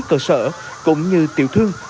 cơ sở cũng như tiểu thương